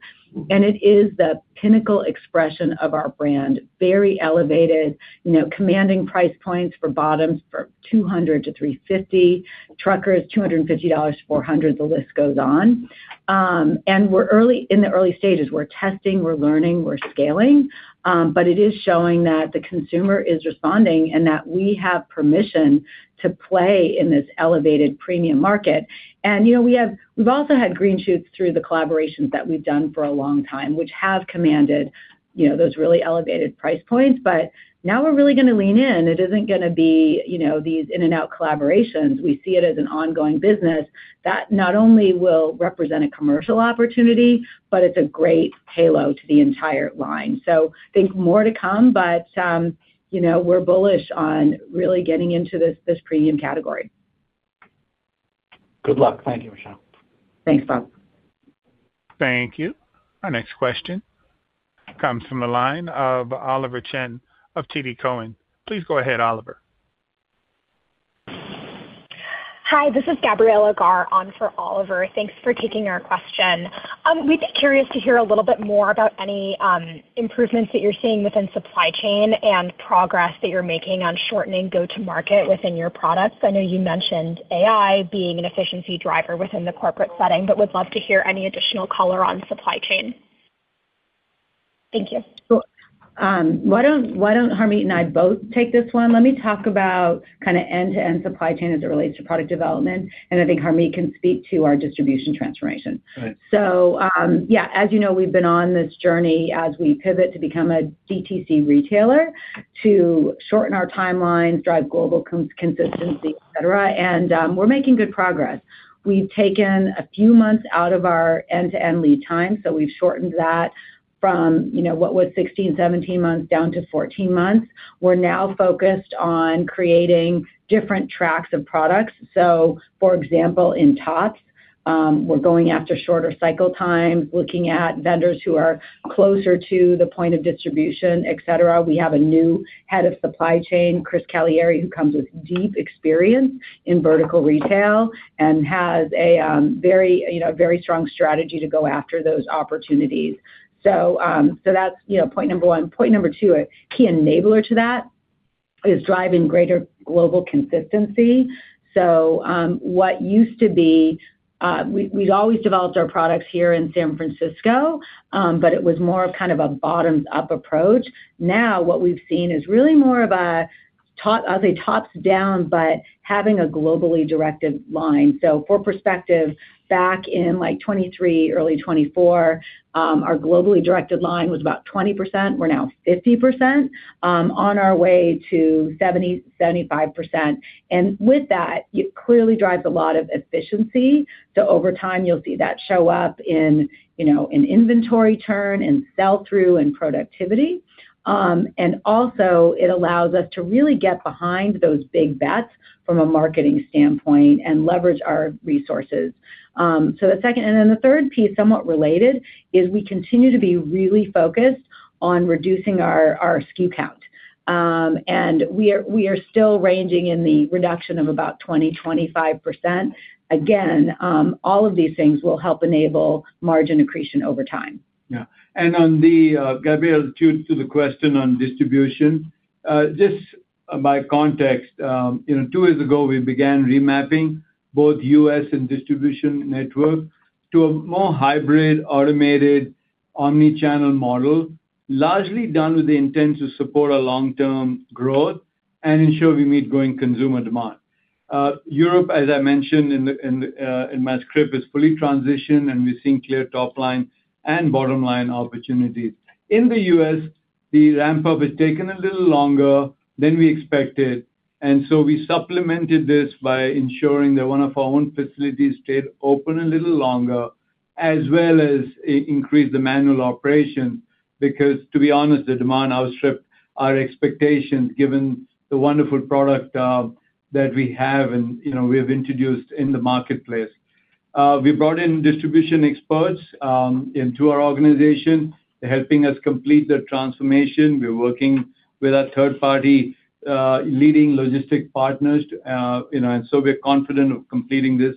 and it is the pinnacle expression of our brand. Very elevated, you know, commanding price points for bottoms, for $200-$350, truckers, $250-$400, the list goes on. And we're early in the early stages. We're testing, we're learning, we're scaling, but it is showing that the consumer is responding and that we have permission to play in this elevated premium market. You know, we have, we've also had green shoots through the collaborations that we've done for a long time, which have commanded, you know, those really elevated price points, but now we're really gonna lean in. It isn't gonna be, you know, these in-and-out collaborations. We see it as an ongoing business that not only will represent a commercial opportunity, but it's a great halo to the entire line. So I think more to come, but, you know, we're bullish on really getting into this, this premium category. Good luck. Thank you, Michelle. Thanks, Bob. Thank you. Our next question comes from the line of Oliver Chen of TD Cowen. Please go ahead, Oliver. Hi, this is Gabriella Garr on for Oliver. Thanks for taking our question. We'd be curious to hear a little bit more about any improvements that you're seeing within supply chain and progress that you're making on shortening go-to-market within your products. I know you mentioned AI being an efficiency driver within the corporate setting, but would love to hear any additional color on supply chain. Thank you. So, why don't Harmit and I both take this one? Let me talk about kinda end-to-end supply chain as it relates to product development, and I think Harmit can speak to our distribution transformation. Right. So, yeah, as you know, we've been on this journey as we pivot to become a DTC retailer, to shorten our timelines, drive global consistency, et cetera, and we're making good progress. We've taken a few months out of our end-to-end lead time, so we've shortened that from, you know, what was 16, 17 months down to 14 months. We're now focused on creating different tracks of products. So for example, in tops, we're going after shorter cycle times, looking at vendors who are closer to the point of distribution, et cetera. We have a new head of supply chain, Chris Callieri, who comes with deep experience in vertical retail and has a very, you know, very strong strategy to go after those opportunities. So that's, you know, point number one. Point number two, a key enabler to that is driving greater global consistency. So, what used to be, we'd always developed our products here in San Francisco, but it was more of kind of a bottoms-up approach. Now, what we've seen is really more of a top-- I'll say, tops down, but having a globally directed line. So for perspective, back in, like, 2023, early 2024, our globally directed line was about 20%. We're now 50%, on our way to 70%-75%. And with that, it clearly drives a lot of efficiency. So over time, you'll see that show up in, you know, in inventory turn and sell-through and productivity. And also, it allows us to really get behind those big bets from a marketing standpoint and leverage our resources. So the second... and then the third piece, somewhat related, is we continue to be really focused on reducing our SKU count. And we are still ranging in the reduction of about 20-25%. Again, all of these things will help enable margin accretion over time. Yeah. And on the Gabriella, to the question on distribution, just by context, you know, two years ago, we began remapping both U.S. and distribution network to a more hybrid, automated omni-channel model, largely done with the intent to support our long-term growth and ensure we meet growing consumer demand. Europe, as I mentioned in my script, is fully transitioned, and we're seeing clear top line and bottom line opportunities. In the U.S., the ramp up has taken a little longer than we expected, and so we supplemented this by ensuring that one of our own facilities stayed open a little longer, as well as increasing the manual operation, because to be honest, the demand outstripped our expectations, given the wonderful product that we have and, you know, we have introduced in the marketplace. We brought in distribution experts into our organization. They're helping us complete the transformation. We're working with our third-party leading logistics partners, you know, and so we're confident of completing this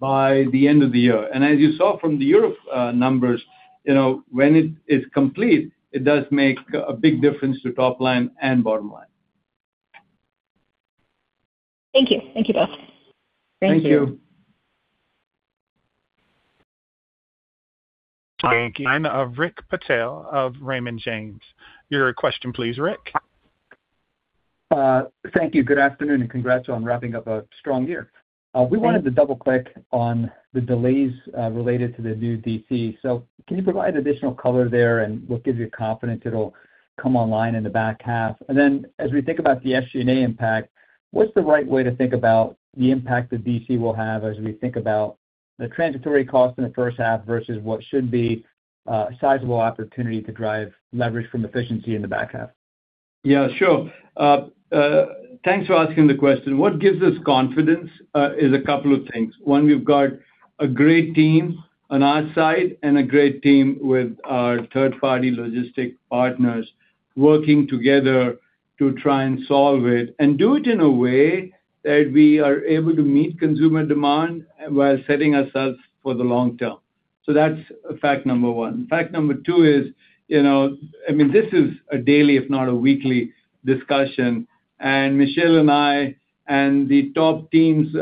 by the end of the year. As you saw from the Europe numbers, you know, when it is complete, it does make a big difference to top line and bottom line. Thank you. Thank you, Dilip. Thank you. Thank you. Thank you. From Rick Patel of Raymond James. Your question, please, Rick? Thank you. Good afternoon, and congrats on wrapping up a strong year. We wanted to double-click on the delays, related to the new DC. So can you provide additional color there and what gives you confidence it'll come online in the back half? And then, as we think about the SG&A impact, what's the right way to think about the impact the DC will have as we think about the transitory cost in the first half versus what should be a sizable opportunity to drive leverage from efficiency in the back half? Yeah, sure. Thanks for asking the question. What gives us confidence is a couple of things. One, we've got a great team on our side and a great team with our third-party logistics partners, working together to try and solve it, and do it in a way that we are able to meet consumer demand while setting ourselves for the long term. So that's fact number one. Fact number two is, you know, I mean, this is a daily, if not a weekly, discussion, and Michelle and I, and the top teams, you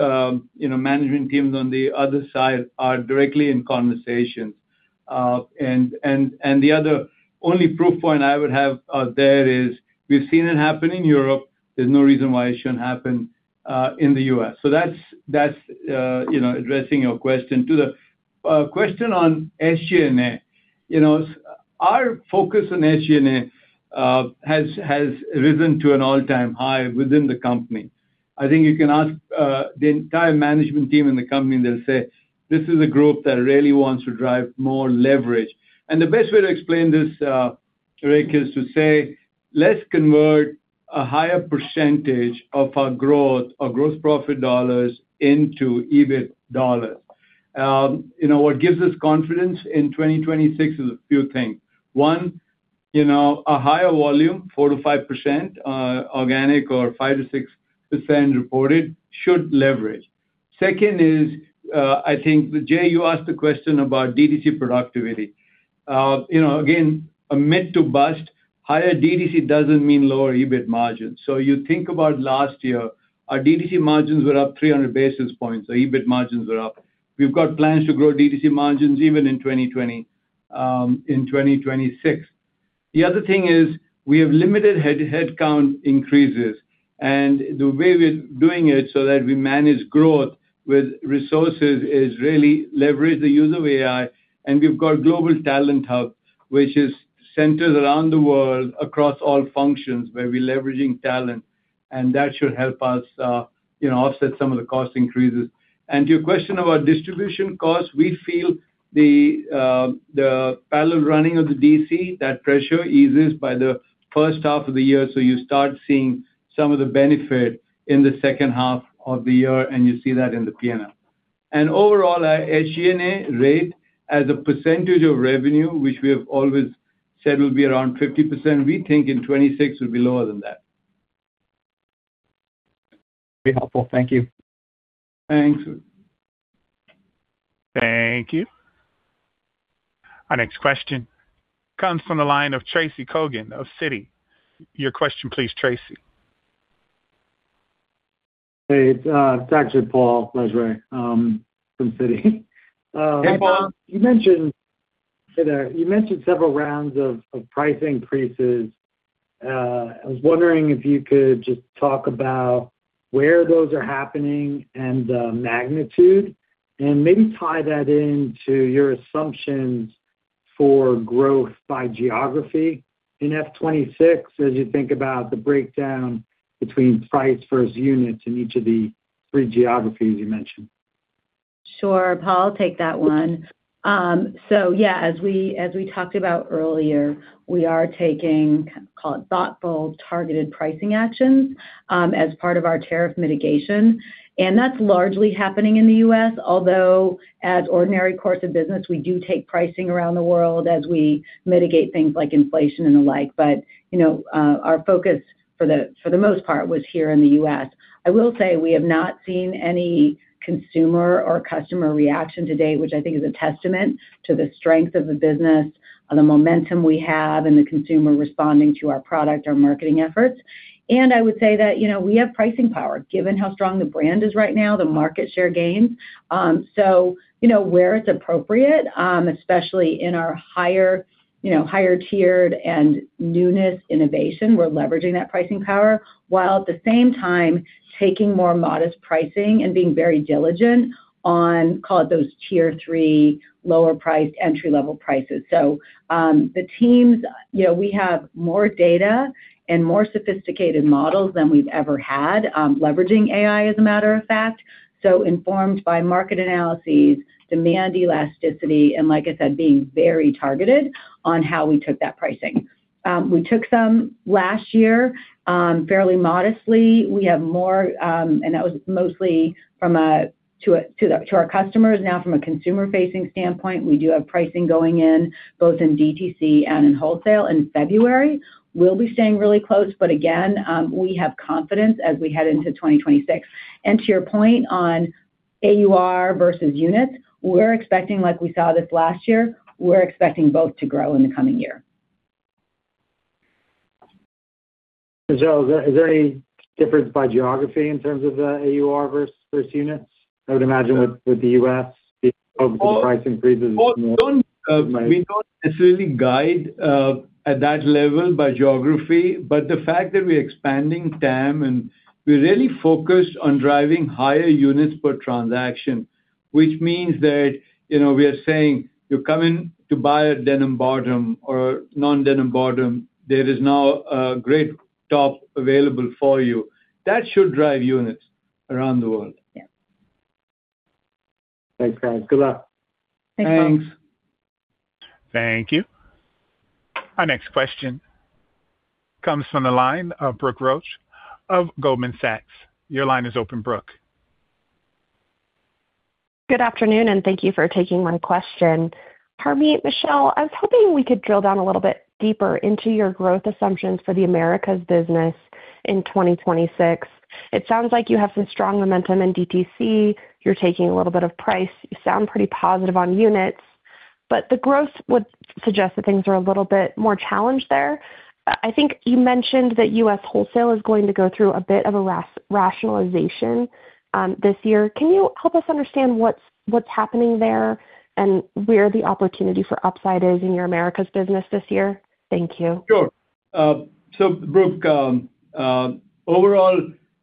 know, management teams on the other side are directly in conversations. And the other only proof point I would have, there is, we've seen it happen in Europe. There's no reason why it shouldn't happen in the U.S. So that's, that's, you know, addressing your question. To the question on SG&A, you know, our focus on SG&A has risen to an all-time high within the company. I think you can ask the entire management team in the company, and they'll say, "This is a group that really wants to drive more leverage." And the best way to explain this, Rick, is to say, let's convert a higher percentage of our growth, our growth profit dollars into EBIT dollars. You know, what gives us confidence in 2026 is a few things. One, you know, a higher volume, 4%-5% organic, or 5%-6% reported, should leverage. Second is, I think, Jay, you asked the question about DDC productivity. You know, again, a myth to bust, higher DDC doesn't mean lower EBIT margins. So you think about last year, our DDC margins were up 300 basis points, so EBIT margins were up. We've got plans to grow DDC margins even in 2020... in 2026. The other thing is, we have limited headcount increases, and the way we're doing it so that we manage growth with resources is really leverage the use of AI. And to your question about distribution costs, we feel the parallel running of the DC, that pressure eases by the first half of the year, so you start seeing some of the benefit in the second half of the year, and you see that in the P&L. Overall, our SG&A rate as a percentage of revenue, which we have always said will be around 50%, we think in 2026 will be lower than that. Very helpful. Thank you. Thanks. Thank you. Our next question comes from the line of Tracy Kogan of Citi. Your question, please, Tracy. Hey, it's actually Paul Lejuez from Citi. Hey, Paul. You mentioned, you know, you mentioned several rounds of price increases. I was wondering if you could just talk about where those are happening and the magnitude, and maybe tie that into your assumptions for growth by geography in F '26, as you think about the breakdown between price versus units in each of the three geographies you mentioned. Sure, Paul, I'll take that one. So yeah, as we, as we talked about earlier, we are taking, call it, thoughtful, targeted pricing actions, as part of our tariff mitigation. And that's largely happening in the U.S., although, as ordinary course of business, we do take pricing around the world as we mitigate things like inflation and the like. But, you know, our focus for the, for the most part, was here in the U.S. I will say we have not seen any consumer or customer reaction to date, which I think is a testament to the strength of the business, the momentum we have and the consumer responding to our product, our marketing efforts. And I would say that, you know, we have pricing power, given how strong the brand is right now, the market share gains. So you know, where it's appropriate, especially in our higher, you know, higher tiered and newness innovation, we're leveraging that pricing power, while at the same time taking more modest pricing and being very diligent on, call it, those tier three, lower priced entry-level prices. So, the teams, you know, we have more data and more sophisticated models than we've ever had, leveraging AI, as a matter of fact. So informed by market analyses, demand elasticity, and like I said, being very targeted on how we took that pricing. We took some last year, fairly modestly. We have more, and that was mostly to our customers. Now, from a consumer-facing standpoint, we do have pricing going in, both in DTC and in wholesale in February. We'll be staying really close, but again, we have confidence as we head into 2026. And to your point on AUR versus units, we're expecting, like we saw this last year, we're expecting both to grow in the coming year. So is there any difference by geography in terms of the AUR versus units? I would imagine with the U.S., the price increases- Well, we don't necessarily guide at that level by geography, but the fact that we're expanding TAM, and we're really focused on driving higher units per transaction, which means that, you know, we are saying, "You're coming to buy a denim bottom or a non-denim bottom, there is now a great top available for you." That should drive units around the world. Yeah. Thanks, guys. Good luck. Thanks, Paul. Thanks. Thank you. Our next question comes from the line of Brooke Roach of Goldman Sachs. Your line is open, Brooke. Good afternoon, and thank you for taking my question. Harmit, Michelle, I was hoping we could drill down a little bit deeper into your growth assumptions for the Americas business in 2026. It sounds like you have some strong momentum in DTC. You're taking a little bit of price. You sound pretty positive on units, but the growth would suggest that things are a little bit more challenged there. I think you mentioned that US Wholesale is going to go through a bit of a rationalization this year. Can you help us understand what's happening there and where the opportunity for upside is in your Americas business this year? Thank you. Sure. So Brooke, overall,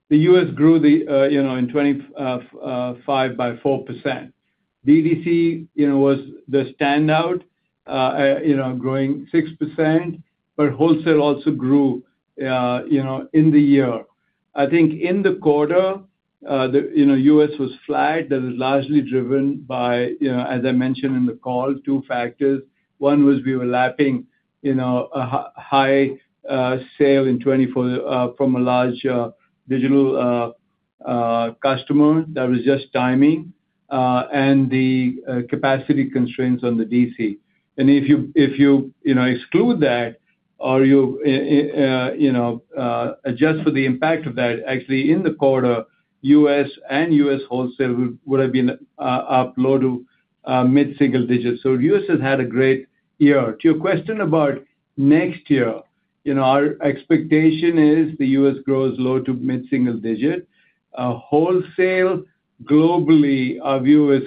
the US grew the, you know, in 2025 by 4%. DTC, you know, was the standout, you know, growing 6%, but wholesale also grew, you know, in the year. I think in the quarter, the, you know, US was flat. That was largely driven by, you know, as I mentioned in the call, two factors. One was we were lapping, you know, a high sale in 2024 from a large digital customer. That was just timing, and the capacity constraints on the DC. And if you, if you, you know, exclude that or you, you know, adjust for the impact of that, actually in the quarter, US and US Wholesale would, would have been, up low to mid-single digits. So US has had a great year. To your question about next year, you know, our expectation is the U.S. grows low- to mid-single-digit. Wholesale, globally, our view is,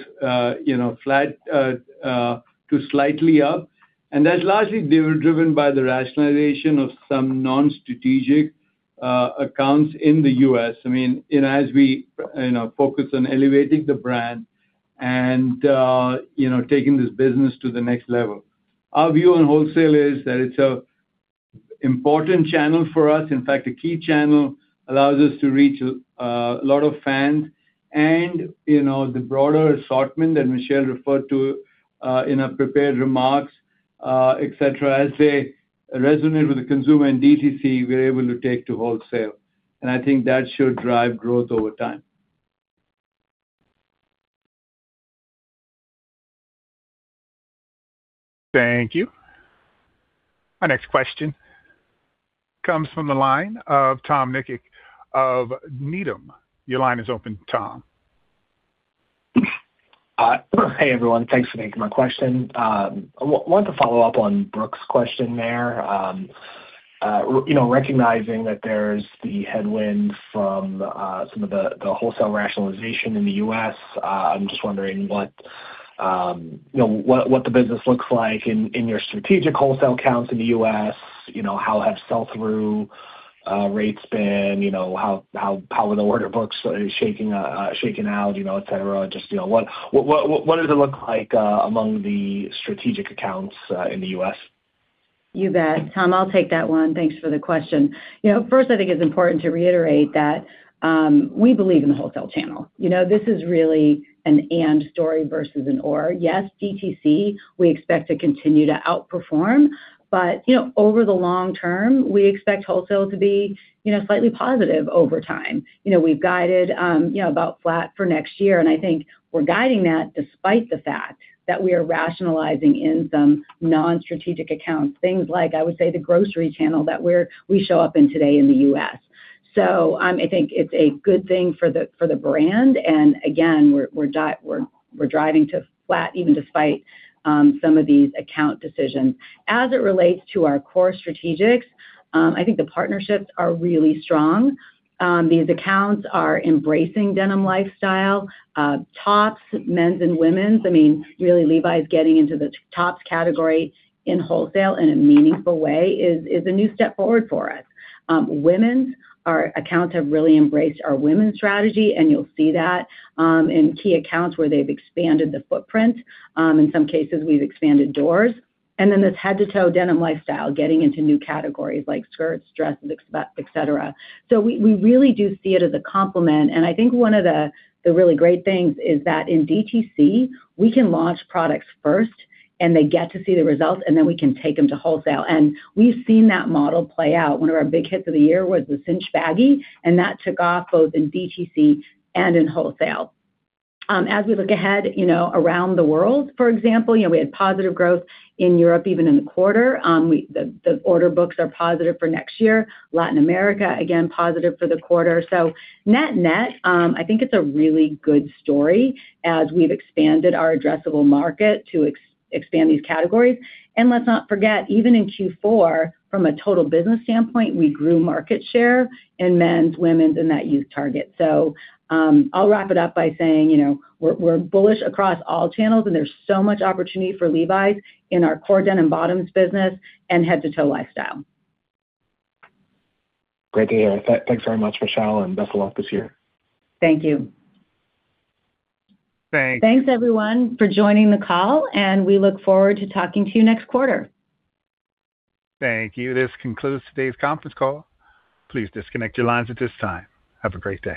you know, flat to slightly up, and that's largely driven by the rationalization of some non-strategic accounts in the U.S. I mean, and as we, you know, focus on elevating the brand and, you know, taking this business to the next level. Our view on wholesale is that it's an important channel for us, in fact, a key channel, allows us to reach a lot of fans. And, you know, the broader assortment that Michelle referred to in her prepared remarks, et cetera, as they resonate with the consumer and DTC, we're able to take to wholesale. And I think that should drive growth over time. Thank you. Our next question comes from the line of Tom Nikic of Needham. Your line is open, Tom. Hey, everyone. Thanks for taking my question. I wanted to follow up on Brooke's question there. You know, recognizing that there's the headwind from some of the wholesale rationalization in the U.S., I'm just wondering what, you know, what the business looks like in your strategic wholesale accounts in the U.S., you know, how have sell-through rates been? You know, how, how are the order books shaking out, you know, et cetera? Just, you know, what does it look like among the strategic accounts in the U.S.? You bet. Tom, I'll take that one. Thanks for the question. You know, first, I think it's important to reiterate that we believe in the wholesale channel. You know, this is really an and story versus an or. Yes, DTC, we expect to continue to outperform, but, you know, over the long term, we expect wholesale to be, you know, slightly positive over time. You know, we've guided, you know, about flat for next year, and I think we're guiding that despite the fact that we are rationalizing in some non-strategic accounts, things like, I would say, the grocery channel that we show up in today in the U.S. So, I think it's a good thing for the brand, and again, we're driving to flat, even despite some of these account decisions. As it relates to our core strategies, I think the partnerships are really strong. These accounts are embracing denim lifestyle, tops, men's and women's. I mean, really, Levi's getting into the tops category in wholesale in a meaningful way is, is a new step forward for us. Women's, our accounts have really embraced our women's strategy, and you'll see that, in key accounts where they've expanded the footprint. In some cases, we've expanded doors. And then this head-to-toe denim lifestyle, getting into new categories like skirts, dresses, et cetera. So we, we really do see it as a complement, and I think one of the, the really great things is that in DTC, we can launch products first, and they get to see the results, and then we can take them to wholesale. And we've seen that model play out. One of our big hits of the year was the cinch baggy, and that took off both in DTC and in wholesale. As we look ahead, you know, around the world, for example, you know, we had positive growth in Europe, even in the quarter. The order books are positive for next year. Latin America, again, positive for the quarter. So net-net, I think it's a really good story as we've expanded our addressable market to expand these categories. And let's not forget, even in Q4, from a total business standpoint, we grew market share in men's, women's, and that youth target. So, I'll wrap it up by saying, you know, we're bullish across all channels, and there's so much opportunity for Levi's in our core denim bottoms business and head-to-toe lifestyle. Great to hear. Thanks very much, Michelle, and best of luck this year. Thank you. Thanks- Thanks, everyone, for joining the call, and we look forward to talking to you next quarter. Thank you. This concludes today's conference call. Please disconnect your lines at this time. Have a great day.